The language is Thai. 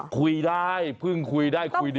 คุยได้เพิ่งคุยได้คุยดี